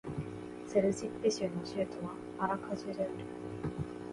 セルジッペ州の州都はアラカジュである